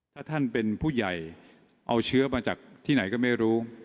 ถ้าท่านเป็นผู้ใหญ่เอาเชื้อมาจากที่ไหนก็ไม่รู้